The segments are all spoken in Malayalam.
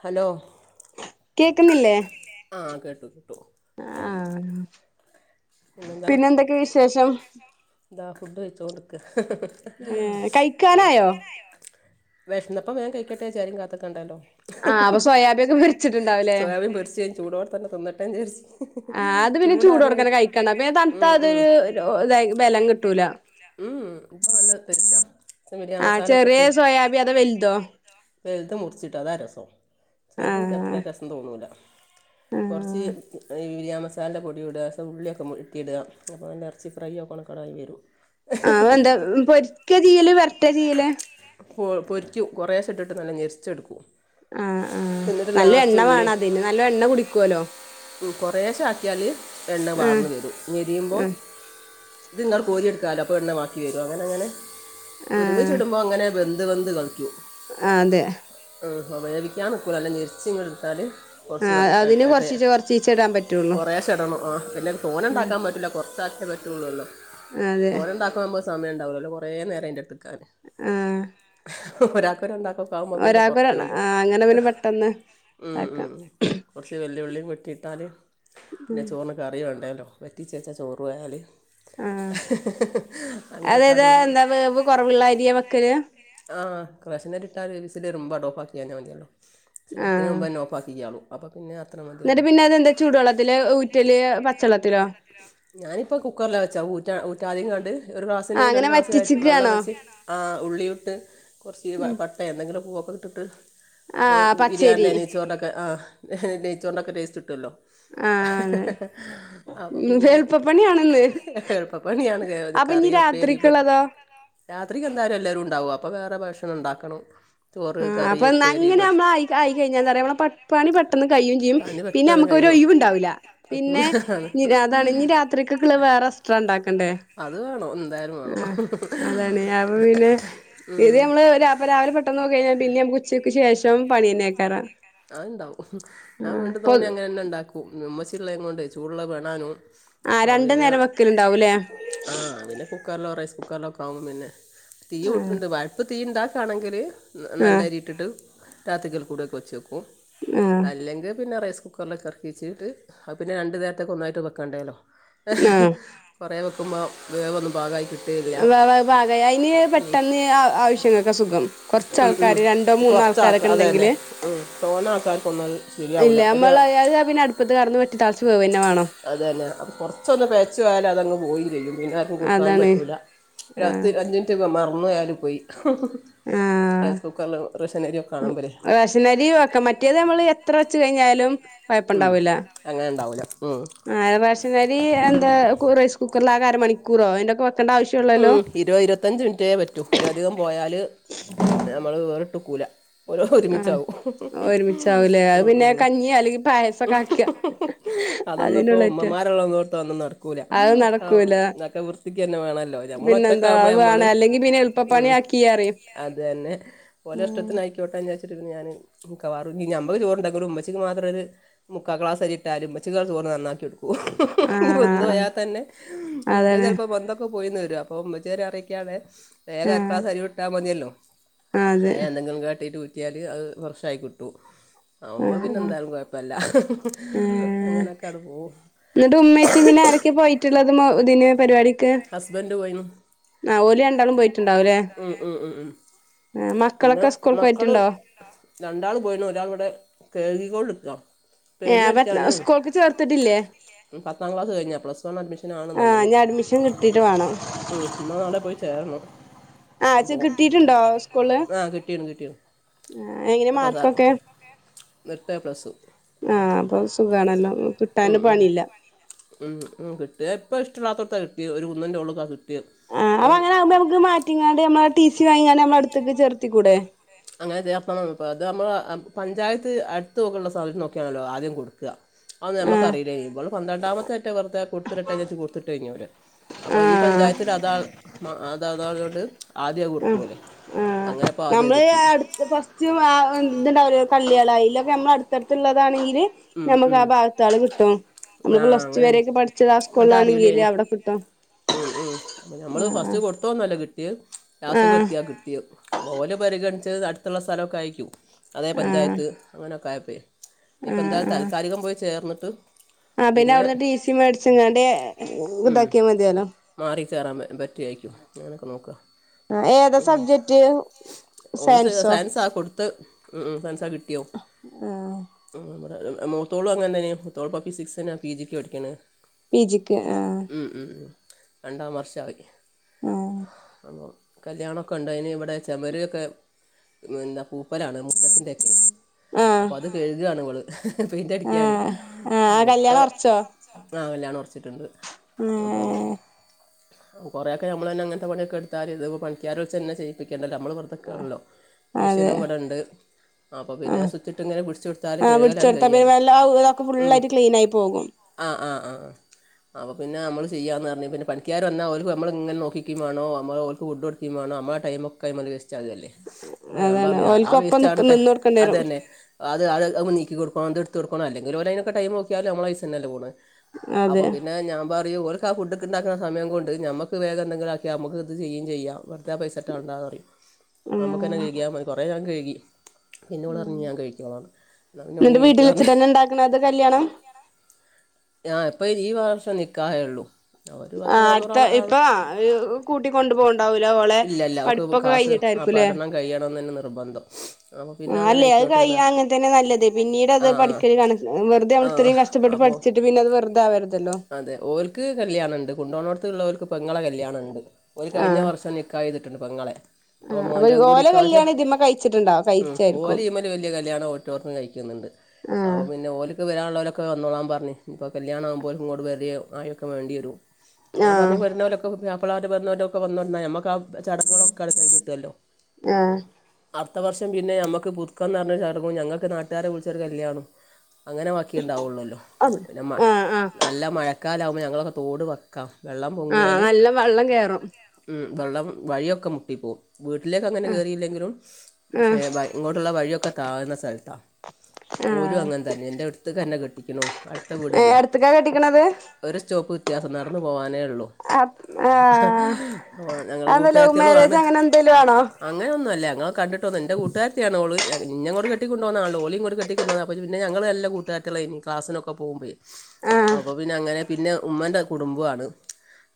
ഹലോ കേക്ക്ന്നില്ലേ? ആഹ് കേട്ടു കേട്ടു ആഹ് പിന്നെന്താ പിന്നെന്തൊക്കെ വിശേഷം? ഇതാ ഫുഡ്കയ്ച്ച് കൊണ്ട് ഇക്ക ഏഹ് കഴ്ക്കാനായോ വെഷന്നപ്പം വേം കഴ്ക്കട്ടെ വിജാരി ആരിംകാത്ത് നിക്കണ്ടല്ലോ ആഹ് അപ്പോസൊയാബിയൊക്കെ പൊര് സോയമ്പിൻ പൊരിച്ച് ഞാൻചൂടോടെതെന്നെ തിന്നട്ടെ വിജാരിച് ചൂടാറിയ ക്കാണ് അപ്പതണ്ത്തത് ഒ തായി ബെലം കിട്ടൂല. മ് ഹ് ഇപ്പ നല്ല ടേസ്റ്റ ആഹ് ചെറിയെ സോയാബി അതോ വെൽതോ വെൽത് മുറിച്ചിട്ട് അതാ രസം ചെറുതെനിക്ക് ആഹ് അത്ര രസം തോന്നൂല. കൊർച്ച് ആഹ് ഇയ്യമസ മസാല പൊടിയുട ലേസം ഉള്ളിയൊക്കെ മുർട്ടി ഇട അപ്പോ ന്നല്ലെ അർച്ചിഫ്രൈ ആക്കുവാനെകടായി വരും ആഹ് എന്താ പൊരിക്ക ചെയ്യെല് വെര്ട്ട ചെയ്യല് പൊപൊര്ക്കും കൊറേശെഇട്ടിട്ട് ന്നല്ലെ ഞെരിച്ച് ഇടുക്കും ആഹ് ആഹാ ന്നല്ലെ എണ്ണ വേണം അതിന് ന്നല്ല എണ്ണ കുടിക്കോലോ ഉം കൊറെശെ ആക്കിയാൽ എണ്ണ ആഹ് വാർന്ന് വെരും ഞെരിയുമ്പോ ആഹ് ഇത്ങ്ങട് കോരിയെടുക്കാലോ അപ്പോ എണ്ണ വാക്കി വെരും അങ്ങനെ അങ്ങനെ ആഹ് ഒര്മിച്ചിടുമ്പോ അങ്ങനെ വെന്ത് വെന്ത് കളിക്കും ആഹ് അതെ ആഹ് വേവിക്കാൻ നിക്കൂല അല്ല ഞെര്ച്ച് ഇങ്ങട് ഇട്ത്താല് ആഹ് അതിന് കൊർച്ചീച്ചെ ചൊർ കുറേശെ ഇടണം ആ പിന്നെക്ക് തോനെ ആഹ് ഇണ്ടാക്കാൻ പറ്റൂല കൊർച്ചാക്കെ പറ്റൊള്ളല്ലോ അതെ തോനെണ്ടാക്കുമ്പോ സമയംണ്ടാവുലല്ലോ കൊറെ നേരയ്ന്റെ എട്ത്ത് നിക്കാൻ. ആഹ് ഒരാക്കോ രണ്ടാക്കോ ഒരാക്ക് ആ രണ്ടാ അങ്ങനെ പിന്നെ പെട്ടെന്ന്ണ്ടാക്കാം കൊർച്ച് വെല്ലിഉള്ളീം വെട്ടിട്ടാല് പിന്നെ ചോർന് കറി വേണ്ടേലോ വറ്റിചെച്ചെ ചോറു ആയാല് ആ അങ്ങനെയൊക്കെ അത് ഹ്അതായതാ എന്താ വേവ് കുറവുള്ള അരിയ വെക്കല് ആ ക്രാഷ് നരി ഇട്ടാ ഒരു വിസിൽ വരു മ്പോ ഓഫ് ആക്കിയാൽ മതിയല്ലോ വിസലടിക്കിന് ആഹ് മുമ്പേഓഫാക്കി ക്കാളും അപ്പൊ പിന്നെ അത്ര എന്നിട്ട് മതിയല്ലോ പിന്നെ അതെന്താ ചൂടുവെള്ളത്തില് ഊറ്റല് പച്ചവെള്ളത്തി ലോ ഞാനിപ്പ കുക്കറില വെച്ചാ ഊറ്റ ഊറ്റാണ്ട് കാണ്ട് ഒരു ക്ലാസ്സിന് ആഹ് അങ്ങനെ രണ്ട് ക്ലാസ് വെള്ളം വറ്റിച്ചിക്കാണോ വെച്ച് ആ ഉള്ളി ഇട്ട് കുറച്ച് പട്ട എന്തെങ്കിലും പൂവൊക്കെ ഇിട്ടിട്ട് അപ്പൊ ആഹ് പച്ചരി ബിരിയാണി നീച്ചോണ്ടൊക്കെ ആഹ് നെയ്ചോറിന്റെ ഒക്കെ ടേസ്റ്റ് കിട്ടുവല്ലോ ആഹ് അതെ വേൽപ്പ പണി ആണന്ന് പ്പ പണിയാണ് ഒരു കറിയും ഉപ്പേരിവ് രാത്രിക്ക് എന്തായാലും എല്ലാവരും ഉണ്ടാവും അപ്പൊ വേറെ ഭക്ഷണം ഉണ്ടാക്കണം ചോറ് ആ കറി അപ്പൊ എന്ന ഉപ്പേരി അങ്ങനെ പൊരി- നമ്മള ആയി കഴിഞ്ഞാ ത പറയാ നമ്മള പണി പെട്ടെന്ന് കഴിയയും ചെയ്യും പിന്നെ പണി പിന്നെ പെട്ടെന്ന് നമുക്ക് ഒരു കഴിയും ഒഴിവുണ്ടാവില്ല പിന്നെ ആണ് അതാണെ രാത്രിക്കൊക്കള് വേറെ എസ് ട്രാ ഉണ്ടാക്കണ്ടേ അത് വേണം എന്തായാലും വേണം ആഹ അതാണ് അപ്പൊ പിന്നെ ഇത് നമ്മള് രാവിലെ [unintelligible] കിഞ്ഞാ പിന്നെ ഉച്ചയ്ക്ക് ശേഷം പണി അത്ണ്ടാവും ഞാൻ ആഹ് വീണ്ട ഇപ്പൊ തോന്നി അങ്ങനെ തന്നെ ഉണ്ടാക്കും ഉമ്മച്ചി ഉള്ള കൊണ്ട് ചൂടുള്ള വേണാനും ആഹ് രണ്ടു പിന്നെ നേരം വെക്കലുണ്ടാവൂല്ലേ ആഹ് പിന്നെ കുക്കറിലോ റൈസ് കുക്കറിലോക്കെ ആവുമ്പോ പിന്നെ തീ ആഹ് കൊടുട്ടണ്ട് വ അപ്പൾ തീ ഉണ്ടാക്കുകയാണെങ്കിൽ ആഹ് നല്ലരി ഇട്ടിട്ട് രാത്രികൽ കൂടെയൊക്കെ വച്ച വെക്കും ആഹ് അല്ലെങ്കിൽ പിന്നെ റൈസ് കു കുക്കറിലൊക്കെ ഇറക്കി വെച്ചിട്ട് പിന്നെ രണ്ടു നേരത്തൊക്കെ ഒന്നായിട്ട് വെക്കണ്ടേല്ലോ ആഹ് കൊറേ വെക്കുമ്പോ വേവ ഒന്ന് പാഗമായി കിട്ടും ാക അയ്ന് പെട്ടെന്ന് ആവശ്യംങ്ങൾക്കെ സുഖം കുറച്ചാൾക്കാാര് രണ്ടോ മൂന്നോ ആൾക്ക കരക്കുണ്ടെങ്കില് തോന ആൾക്കാർക്കൊന്നും ശരിയാവില്ല ഒരു അത പിന്നെ അടുത്ത കന്ന്റ്റ താളച്ച് പോവ തന്നെ വേണം അതന്നെ കൊറച്ചോന്ന് പേച്ച പോായാല അതങ്ങ് പോയില്ലരിക്കും മീനാരും കൊടുക്കാൻ അതാണ് പറ്റില്ല ആഹ് രാത് അഞ്ചിനറ്റ് മറന്നു പോയാൽ പോയി ആഹ് റൈസ് കുക്കറൽ റഷനരിയോ കാണാൻ പോലേ റേഷനരി ഒക്കെ മറ്റേത് നമ്മൾ എത്ര വെച്ച കഴിഞ്ഞാലും വായപ്പുണ്ടാവൂില്ല അങ്ങനെണ്ടാവൂലോ ഉം റേഷനരി എന്താ റൈസ് കുക്കറില ആകെ അരമണിക്കൂറോ അതിന്റെറൊക്കെ വെക്കേണ്ട ആവശ്യംമള്ളല്ലോ ഇരുപ ഇരുപത്തഞ്ച് മിനിറ്റേ പറ്റൂ അതിലധികം പോയാൽ നമ്മൾ വേറിട്ട്ക്കൂല ആഹ് ഒരുമിചാവൂലേ അത് ഉം, പിന്നെ ഉം. കഞ്ഞിയ അല്ലെങ്ക പായസൊക്കെ ആക്കിയ അതൊന്നും ഇപ്പോ ഉമ്മമാരള്ള ഒന്നോർത്ത ഒന്നും നടക്കൂല അത് നടക്കൂല എന്നൊക്കെ വൃത്തിക്ക്ന്നെ വേണല്ലോ മ്മൾ പിന്നെന്താ ഒത്തക്ക്പോ അത് നമ്മള് വേണം അല്ലെങ്കി പിന്നെ എളുപ്പപ്പണി ഉം ആക്കി അറിയും അത് തന്നെ പോല ഇഷ്ടത്തിന ആയ്ക്കോട്ടെന്ന് ചാദച്ചിട്ട ഞാൻ മിക്കവാറ ഞമ്മക്ക് ചോറുണ്ടാക്ക ഒരു ഉമ്മച്ചക്ക് മാത്രം ഒരു മുക്കാ ക്ലസ് അരീ ഇട്ടാലും പച്ചുങ്ങൾ ചോറ് നന്നാക്കിടുും ഓനി കൊന്ത ആഹ് പോയാൽ തന്നെ ഇന്ത അതാണ് ചിലപ്പോ ബന്തൊക്കെ പോയിന്ന അപ്പൊ ച അറിയിക്കാണ് ആഹ് ഏകക്ലാസ് അരി വിട്ടാൻ മതിയല്ലോ അ അതെ എന്തെങ്കിലും കാട്ടിട്ട് കുറ്റിയാല് അത് ഫ്രഷായി കിട്ടും ആഹ് ആവുമ്പോൾ പിന്നെ ആഹ് എന്തായാലും കുഴപ്പല്ല ഏഹ് അങ്ങനെയൊക്കെ അവിടെ പോവും എന്നിട്ട് ഉമ്മേച്ചും പിന്നെ ആരൊക്കെ പോയിട്ടുള്ളത് ഇതിന് പരിപാടിക്ക് ഹസ്ബൻഡ് പോയിന് ആഹ് ഒര് രണ്ടാളും പോയിട്ടുണ്ടാവലേ ഉം ഉം ഉം ഉം പിന്നെ മക്കള് രണ്ടാള് പോയിന് ഒരാൾ ഇവിടെ കേൾതിിക്കൊണ്ടിട്ടോ ഏഹ് സ്കൂൾക്ക് ചേർത്തിട്ടില്ലേ പത്താം ക്ലസ് കിഞ്ഞ പ്ലാസ്ടു [unintelligible] ആഹ് ഞൻ അഡ്മിഷൻ കിട്ടിട്ട് വേണോ ഉം ഇന്നേ, നാളെ പോയി ചേരണം. ആഹ് ച്ച് അപ്പൊ, കിട്ടീട്ടുണ്ടോ സ്കൂളില് ആഹ് കിട്ടിയ്ണ്, കിട്ടിയ്ണ്, ആഹ് എങ്ങനെ അപ്പൊ, സാർ മാർക്കൊക്കെ എട്ടേ പ്ലസ്. ആഹ്, അപ്പൊ സുഖാണല്ലോ. ഉം കിട്ടാന് പണിയില്ല ഉം ഉം ഉ കിട്ടിയ് ഇപ്പൊ ഇഷ്ടല്ലാത്തോടത്ത് കിട്ടിയെത് ഒരു കുന്നിൻ്റേൾക്കാ കിട്ടി ആഹ്, അപങ്ങനാവുമ്പോ ഞമ്മക്ക് മാറ്റിങ്ങാണ്ട് നമ്മള് ടി. സി. വാങ്ങിങ്ങാണ്ട് നമ്മള അട്ത്ത്ക്ക് ചേർത്തിക്കൂടെ. അങ്ങനെ തേ അപ്പം ത് നമ്മള് പഞ്ചായത്ത് അട്ത്ത് നേക്കിള്ള സമത്ത് നോക്കിയാണല്ലോ ആദ്യം കൊടുക്ക അത് ആഹ് നമക്കറീലൈന്ന് ഇവള് പത്രണ്ടാമത്തെറ്റെ വെറുതെ കൊടുത്തിടട്ടേച്ചിട്ട് കൊടുത്ത്ട്ടെ ഞ്ഞേര്. അപ്പൊ ഈ ആഹ് പഞ്ചായത്തിലതാൾ അതാ തായതേണ്ട്. ആദ്യ ആഹ് അയ്കൊടുക്കാല അങ്ങനെ പ്പോ ആദ്യത് കിട്ടി. ദ് ഫസ്റ്റ് ആ.. ത്ണ്ടാവൂലെ. കളൃള്, അയിലൊക്കെ നമ്മളട്ത്തെടുത്ത് ള്ളതാണ് ഈ. വി ഉം, ഉം. നമ്മക്കാഭാഗത്താള് കിട്ടും. അന്ന് ആ പ്ലസ്. ടു. അങ്ങനെയാണ് വെരെക്കെ പഠിച്ചത്. ആ അതറിയില്ല ഇനി സ്കൂളിലാണെങ്കിലവടെ കിട്ടും. ഉം ഉം നമ്മള് ആഹ് ഫസ്റ്റ് കൊടുത്തോന്നല്ല കിട്ട്യേ. ലാസ് ആഹ് ക്കെത്തിയാ കിട്ടിയ ഓലെ പരിഗണിച്ചത് അടുത്തുള്ള സ്ഥലെക്കായ്ക്കും. അതെ ആഹ് പഞ്ചായത്ത് അങ്ങനെക്കായപ്പെ ഞ്ഞ്‌പ്പെന്താ ആഹ് ആഹ് താൽക്കാലികം പോയി ചേർന്നിട്ട്. [unintelligible] പിന്നെ അവിടുന്ന് ടിസിം മേട്ച്ച്ങ്ങാണ്ട് താക്ക്യാമതിയല്ലോ. മാറിക്കേറാൻ ബ ബ അ ഏതാ സബ്ജക്ട്? ഓള് സ് സയെൻസാ കൊട്ത്ത ഉം സയെൻസാ കിട്ടിയോം ആഹ്. ഉം മൂത്തോളും അങ്ങനെന്നേയി മൂത്തേള്പ്പ ഫിസിക്സിനാ പിജിക്ക് പഠിക്കാണ്. പിജിക്ക് ആഹ്. ഉം ഉം രണ്ടാം വർഷായി. ഉം. കല്യാണൊക്കെണ്ടായ്നിവിടെ ചെമരെക്കെ. ന്നെന്താ പൂപ്പലാണ് മുറ്റത്തിന്റെക്കെ. ആഹ് അപ്പ അത് കഴുകാണോള് പെയിന്റടിക്കാന് ആഹ് ആഹ് ഒക്ക കല്യാണം ഒറച്ചോ ആഹ് കല്യാണെർച്ചിട്ടുണ്ട് അപ്പോ. ഏഹ് കൊറെയൊക്കെ ഞമ്മളെന്നെ അങ്ങൻത്തെ പണീയെക്കെ എട്ത്താല് ത്പ്പേ പണിക്കാരെ വിൾച്ചെന്നെ ചെയ്യിപ്പിക്കെണ്ടല്ലേ, നമ്മള് വെർ ഒക്കാണല്ലോ അതെ മെഷീനും ഇവടെണ്ട്. അപ്പോ പിന്നെ സ്വിച്ചിട്ട് ഇങ്ങനെ പിടിച്ചൊട് ആ പിട്ച്ചൊട്ത്താ പിന്നെ വല്ലാ ഉതാക്ക് ഫുള്ളായിട്ട് ക്ലീനായി പോകും. ആഹ് ആഹ് ആഹ്. അപ്പപിന്നാ നമ്മള് ചെയ്യാന്ന് പറഞ്ഞ് അപ്പൊ പിന്നെ നമ്മള് ചെയ്യാ ന്നർഞ്ഞ്‌ പിന്നെ പണിക്കാര് വന്നാ ഓൽക്ക് നമ്മള് ഇങ്ങനെ നോക്കിക്കിം വാണോ നമ്മളോൽക്ക് ഫുഡെഡ് ക്കിം വാണം നമ്മളാ ടൈമെക്കെ അയ്മെല് വേസ്റ്റാവല്ലേ. അപ്പൊ ഞാ അതാണ് പർഞ്ഞ് ആ ഓൽക്ക് ഒപ്പം നി വേസ്റ്റാവ്ണ ടൈം നിന്ന് കൊടുക്കേണ്ടി വരും അതെന്നെ. അത് അത് അത് നീക്കി കൊട്ക്കണം. ത് ഇട്ത്തൊട്ക്കെണം. അല്ലെങ്കില് ഓലയ്നൊക്കെ ടൈമേക്കിയാലും നമ്മളെ പൈസന്നെല്ലെ പോണ്. അപ്പൊ അതെ പിന്നെ ഞാ പറയും ഓല് ക്കാ ഫുഡ്‌ക്ക്ണ്ടാക്ക്ണ സമയം കൊണ്ട് ഞമ്മക്ക് വേഗം എന്തെങ്കിലാക്ക്യാ നമ്മക്ക് ഇത് ചെയ്യും ചെയ്യാ വെർതെ ആ പൈസൈറ്റാണ്ടാന്നറിം. നമ്മക്കെന്നെ ആഹ് കഴുകിയാ മതി. കൊറേ ഞാൻ കഴുകി പിന്നെ ഓളർഞ്ഞ് ഞാൻ കെഴുകിക്കേളാന്ന്. ന്നെട്ട് വീട്ട്ലെച്ചിട്ടെന്നെണ്ടാക്ക്ണെത് കല്യാണം. ഞാ ഇപ്പ ഈ വർഷം നിക്കാഹേള്ളൂ. ഒരു പത്ത് നാന്നൂറാളെ ആള്. അത് കൂട്ടിക്കൊണ്ടുപോ ണ്ടാവുലാ ഓളെ. ഇല്ല ല്ലാ ഓക്ക് പഠിപ്പൊക്കെ കാസ് ആ കഴിഞ്ഞിട്ടായിരിക്കുംല്ലേ പഠന കയ്യണന്നെന്നെ നിർബന്ധം. അപ്പോൾ ആ പിന്നെ അങ്ങനെ അല്ലെ അത് ആയിക്കോട്ടെ കഴിഞ്ഞ എന്ന് അങ്ങനെ തന്നെ നല്ലത്. പിന്നീട് ആ അത് ആ പഠിക്കല് കണ വെർതെ ആ നമ്മള് ഇത്രിം കഷ്ടപ്പെട്ട് അപ്പോൾ പടി ച്ച്ട്ട് പിന്നത് വെർതെ ആവര്തല്ലോ. അതെ ഓൽക്ക് കല്യാണണ്ട്. കെണ്ടോണോട്ത്തുള്ളോൽക്ക് പെങ്ങളെ കല്യാണണ്ട്. ഓല് കഴിഞ്ഞ ആഹ് വർഷം നിക്കാ ക്കായ്തിട്ട്ണ്ട് പെങ്ങളെ. അപ്പൊ ആഹ് മോന്റെതും കൂടി ഓലെ ഇക്കാശം കല്യാണം ഇതിമ്മെ കഴിച്ചിട്ടുണ്ടാവും കഴിച്ചായിരിക്കും ഓലീമ്മില് വല്യ കല്യാണം ഓടിറ്റോർയത്ത്ന്ന് കഴിക്കുന്നുണ്ട്. അപ്പൊ ആഹ് പിന്നെ ഓല്. ഒക്കെ വരാൻള്ളോലെക്കെ വന്നോളാം പർഞ്ഞ് ഇഞ്ഞ്പ്പോ കല്യാണാവ്മ്പോ ഓൽക്ക് ഇങ്ങോട് വെരേ ആയി ഒക്കെ വേണ്ടിയെരും. ഓൻ ആഹ് പർഞ്ഞ് വര്ണോലൊക്കെ പുത്യാപ്പ്ളാര് വര്ണോലൊക്കെ വന്നോട്ടേ ന്നാ നമ്മക്ക് ആ ചടങ്ങുകളാക്കൊണ്ട് കയ്ഞ്ഞിട്ടൊല്ലോ. ആഹ്. അട്ത്ത വർഷം പിന്നെ ഞമ്മക്ക് പുത്ക്കംന്നർഞ്ഞ ചടങ്ങും ഞങ്ങക്ക് നാട്ടാരെ വിളിച്ചൊരു കല്യാണും. അങ്ങനെ വാക്കിണ്ടാവുള്ളല്ലോ. ആഹ് പിന്നെ മയ് ആഹ് നല്ല മയക്കാല ആവുമ്പോ ഞങ്ങളൊക്കെ തോട് വക്കാ. ആഹ് നല്ല വള്ളം കേറും. ഉം വള്ളം വഴിയൊക്കെ മുട്ടിപ്പോവും. വീട്ടിലേക്ക് അങ്ങനെ ആഹ് കേറിയില്ലെങ്കിലും ആഹ് പക്ഷേ വഴ് ഇങ്ങോട്ടുള്ള വഴിയൊക്കെ താഴ്ന്ന സ്ഥലത്താണ്. ഓലും ആഹ് അങ്ങൻതന്നെ എന്റെ അട്ത്ത്ക്കന്നെ കെട്ടിക്ക്ണു അടുത്ത ഏഹ് വീടന്നെ. അടുത്ത്ക്കാ കെട്ടിക്കണത് ഒര് സ്റ്റോപ്പ് വ്യത്യാസം നടന്നു പോവാനേ ഉള്ളൂ. അപ് ആഹ് അപ്പോൾ അഎന്താ ലവ് മാരേജ് അങ്ങനെ എന്തേലും ആണോ? അങ്ങനൊന്നുല്ല ഞങ്ങ കണ്ടിട്ടൊന്നു ഇന്റെ കൂട്ടുകാര്ത്തിയാണോള് ഇന്നങ്ങോട്ട് കെട്ടി കൊണ്ടോന്നാണ് ഓളിം ഇങ്ങോട്ട് കെട്ടി കൊട് കോണ്ടോന്ന് പിന്നെ ഞങ്ങള് നല്ല കൂട്ടാര്ത്തിയേളേനി ക്ലാസിനൊക്കെ പോവുമ്പേയ് ആഹ് അപ്പൊ പിന്നെ അങ്ങനെ. പിന്നെ ഉമ്മന്റെ കുടുംമ്പുആണ്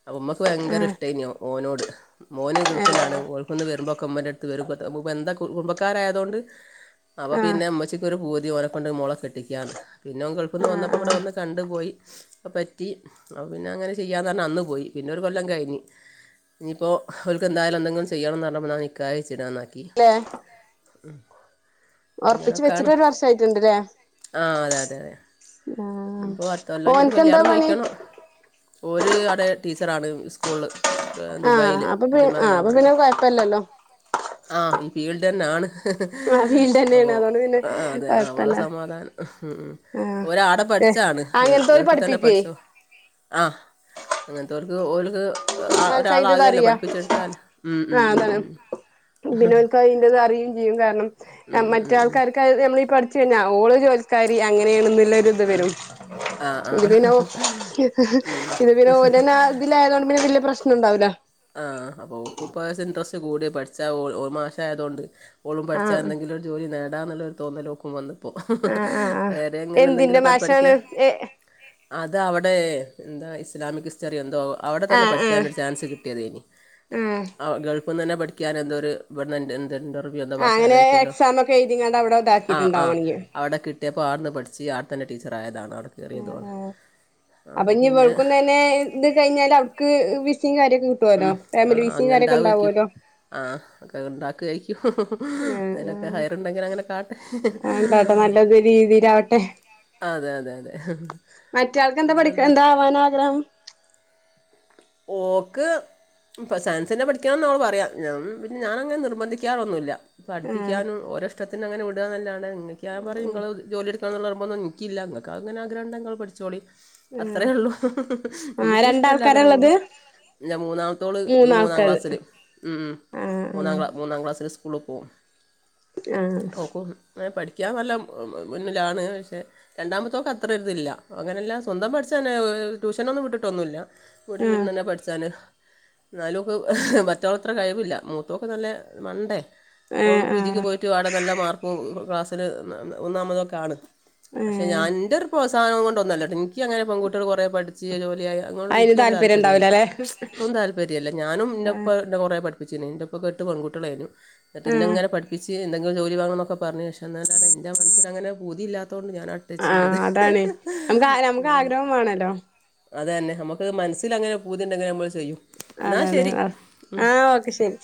അപ്പ ഉമ്മക്ക് ഭയങ്കര ആഹ് ഇഷ്ട്ടേനി ഓനോട്. മോന് ഗൾഫിലാണ് ഓൽക്കൊന്ന് വരുമ്പൊക്കെമ്മന്റെ അടുത്ത് വരും താ ബെന്ധാ എന്താ കുടുംബക്കാരായതോണ്ട്. അപ്പോ ആഹ് പിന്നെ ഉമ്മച്ചിക്കൊരു പൂതി ഓനെക്കൊണ്ട് മോളെ കെട്ടിക്ക്യാന്ന്. പിന്നെ ഓൻ ഗൾഫ്ന്ന് വന്നപ്പോ ആഹ് ഇവ്ടെ ആഹ് വന്ന് ഇവിടെ വന്ന് കണ്ടു പോയി. അഹ് പറ്റി അപ്പ പിന്നെ അങ്ങനെ ചെയ്യാന്നർഞ്ഞ് അന്ന് പോയി പിന്നെ ഒരു കൊല്ലം കഴിഞ്ഞ് ഇനിയിപ്പോ. ഓൽക്ക് എന്തായാലും എന്തെങ്കിലും ചെയ്യണംന്നർഞ്ഞപ്പോ ഇന്നാ നിക്കാഹ് കൈച്ച്ടാന്നാക്കി. ല്ലേ ഉം ഒറപ്പിച്ച് അങ്ങനൊക്കാണ് വെച്ചിട്ട് ഒരു വർഷായിട്ടുണ്ട്ല്ലേ ആഹ് അതെ അതെ അതെ. ആഹ് ഇഞ്ഞ്പ്പൊ അടുത്തൊല്ലം ഇഞ്ഞൊരു ഓൻക്കെന്താ കല്യാണം പണി കൈക്കണം ഓര് അഉടെ ടീച്ചറാണ് സ്കൂള്. ആഹ് അപ്പൊ പി ആ അപ്പൊ പിന്നെ കൊഴ്പ്പല്ലല്ലോ. ആഹ് ഈ ഫീൽഡന്നാണ്. ആഹ് ഹ്‌ഹ്‌ അപ്പോ ഫീൽഡെന്നേണ് അതോണ്ട് പിന്നെ ആ അതെ അപ്പ ആ കൊഴപ്പല്ല സമാധാനം ഉം ആഹ് ഒരാട ഏഹ് പട്ച്ചാ. ആണ് ഗ അങ്ങൻത്തോല് ഗൾഫ് തന്നെ പഠിപ്പിക്കേ പഠിച്ചഹും ആഹ് അങ്ങൻത്തോർക്ക് ഓൽക്ക്. ആഹ് ഒരാളാകേല്ലോ ആൾക്കയിന്റതറിയാ പഠിപ്പിച്ചെടുത്താൽ ഉം ഉം ആഹ് ഉ അതാണ് ഉ. പിന്നെ ഓൽക്ക് അതിന്റത് അറിയും ചെയ്യും കാര്ണം ഉം, മറ്റ ഉം, ഉം. ആൾക്കാർക്കത് നമ്മളീ പഠിച്ചു കൈഞ്ഞാ ഓള് ജോൽസ്. കരി അങ്ങനെയാണെന്നുല്ലരി ഇത് വരും. ആ ആ ഇത് ആ പിന്നോ ഇത് പിന്നെ ഓനന്നെ ആ ഉം. ഇതിലായതോണ്ട്. [unintelligible] വല്യ പ്രശ്നണ്ടാവൂല. ആ അപ്പോ ഓക്ക്പ്പൊ ഇൻട്രസ്റ്റ് കൂടി ഓ ഓൻ മാഷായത് കൊണ്ട് ഓളും പഠിച്ചാ ആഹ് എന്തെങ്കിലും ജോലി നേടാന്നുള്ളൊരു തോന്നലോക്കും വന്നിപ്പോ ആഹ് ആഹ് ആഹ് വേറെ എങ്ങനെ എന്തിന്റെ എന്തെങ്കിലും ഒക്കാണ്ട് മാഷാണ് പഠിക്കാ. ഏ അത് അവിടെ എന്താ ഇസ്ലാമിക് ഹിസ്റ്ററി യോ എന്തോ അവിടെ തന്നെ ആഹ് ആഹ് പഠിക്കാനൊരു ചാൻസ് കി ട്ടിയതേനി ആഹ് ഗൾഫിന്നന്നെ പഠിക്കാൻ എന്തോര് ഇവടന്ന്ണ്ട് എന്തുണ്ടോ. ആഹ് അങ്ങന എക്സാം ഒക്കെ എഴുതിങ്ങാണ്ട് അവിടെ ഇതാക്കിട്ടുണ്ടാവു ത്തണെങ്കിൽ. അടെ കിട്ടിയപ്പോ ആട്ന്ന് പഠിച്ച് ആ ടെ തന്നെ ടീച്ചറായതാണ് അവിടെ. ആഹ് ചെറിയതുണ് ആഹ് അപ്പോപിന്നെ. ഇനത് കഴിഞ്ഞാൽ അഉട്ക്ക് വിസിയും കാര്യൊക്കെ കിട്ടുവല്ലോ ഉം ഫാമിലി. ആഹ് വിസിയും കാര്യൊക്കെ അങ്ങനെണ്ടാവേക്കും ഉണ്ടാവുല്ലോ. ആഹ് ഒക്കെ ഇണ്ടാകൈക്കും ആഹ് അതിലൊക്കെ ഹയറുണ്ടെങ്കിൽ അങ്ങനെയാകാട്ട. ആഹ് ഇണ്ടാട്ടോ നല്ല രീതിയിലാവട്ടെ. അതെ അതെ അതെ. മറ്റയാൾക്ക് എന്താ പഠിക്ക പിന്നെന്താ എന്താ ആവാന ആഗ്രഹം. ഓക്ക്. ഇപ്പോ സയൻസെന്നെ പഠിക്കണംന്നാ ഓൾ പറയാ പിന്നെ ഞാനങ്ങനെ നിർബന്ധിക്കാറൊന്നുല്ല. ആഹ് പട്പ്പിക്കാനും ഓരഷ്ടത്തിനങ്ങനെ വിടാ ന്നല്ലാതെ നിങ്ങക്ക് ഞാൻ പറയും ആഹ് നിങ്ങള് ജോലി ഇട് ള്ള നിർബന്തൊന്നും ഇൻക്കില്ല നിങ്ങൾക്കങ്ങനെഗ്രഹണ്ടങ്ങ് ഇങ്ങൾ പഠിച്ചോളി അത്രേ ആഹ് ഉള്ളൂ ആഹ് ഇൻക്കിഷ്ട്ടല്ല രണ്ടാൾക്കാരാ അങ്ങനെ പോവു ഇള്ളത് ഇല്ല്യ മൂന്നാമത്തോള് മൂന്നാം മൂന്നാൾക്കാര് ക്ലാസ്സിൽ ഉംഉ ആഹ് മൂന്നാം ക്ലാ മൂന്നാം ക്ലാസ്സിൽ സ് കൂളിൽ പോവും ആഹ് ആഹ് ഓക്കും പഠിക്കാൻ നല്ല മുമുന്നിലാണ് പക്ഷെ. രണ്ടാമത്തെൊക്കെ അത്ര ഇരിതില്ല അങ്ങനെല്ല സ്വന്തം പഠിച്ചന്നെ ട്യൂഷനൊന്നും വിട്ടിട്ടൊന്നുല്ല ആഹ് ന്നെ പഠിച്ചല് എന്നാലോക്ക് മറ്റോളത്ര കഴിവില്ല മൂത്തൊക്കെ നല്ല മണ്ടേ ഇപ്പോൾ ഏഹ് പി ജിക്ക് ആഹ് പോയിട്ട് അടെ നല്ല മാർക്കും ക്ലാസ്സില് ഒന്നാമതൊക്കെ ആണ് പക്ഷെ ഏഹ് ഞാന് ന്റെ ഒരു പ്രത്സാഹനം കൊണ്ട്ന്നോല്ലട്ടോ എനിക്ക് അങ്ങനെ പെൺകുട്ടികൾ കുറെ പഠിച്ച് ജോലിയയാ അതോണ്ടൊന്നും അയിന് താല്പര്യം താല്പര്യല്യ ഇണ്ടാവൂലല്ലേ ഇന്ക്കും താല്പര്യല്ല്യ പര്യല്ല ഞാനും ആഹ് ന്നെപ്പ കുറെ പഠിപ്പിച്ചിനി എന്റെപ്പക്ക് എട്ട് പെൺകുട്ടളായിനി ന്നട്ട് ആഹ് ഇന്നങ്ങനെ പഠപ്പിച്ചി എന്തെങ്കിലും ജോലി വാങ്ങണന്നോക്കെ പറഞ്ഞഞ് പക്ഷേ എന്നാലാണ് എൻ്റെ മനസ്സിന് അങ്ങനെ പൂതിയില്ലാത്തതൊണ്ട് ഞാനങ്ങനെ ആഹ് അതാണ് നമുക്ക് ആഹ് നമുക്ക് ആഗ്രഹം വേണല്ലോ അതന്നെ നമുക്കത് മനസ്സിൽ അങ്ങനെ പൂതിയൂണ്ടങ്ങനെ നമ്മള് ചെയ്യും എന്നാൽ അതാണ് ശരി ആഹ് ഓക്കെ ശരി